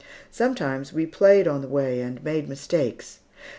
Sometimes, we played on the way and made mistakes.